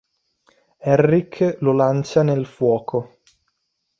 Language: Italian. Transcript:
Henrik lo lancia nel fuoco.